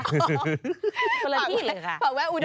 คนละที่เหรอคะ